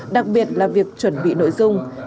đặc biệt là việc chuẩn bị nội dung